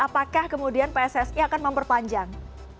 apakah kemudian pssi akan memperpanjang